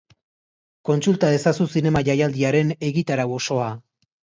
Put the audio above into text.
Kontsulta ezazu zinema jaialdiaren egitarau osoa.